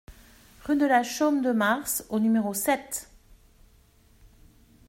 Rue de la Chaume de Mars au numéro sept